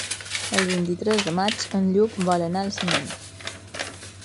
El vint-i-tres de maig en Lluc vol anar al cinema.